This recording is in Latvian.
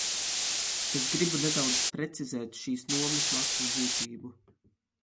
Es gribu nedaudz precizēt šīs nomas maksas būtību.